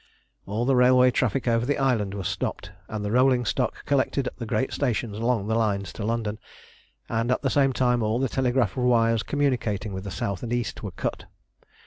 All the railway traffic over the island was stopped, and the rolling stock collected at the great stations along the lines to London, and at the same time all the telegraph wires communicating with the south and east were cut.